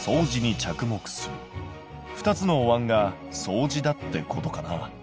２つのおわんが相似だってことかな。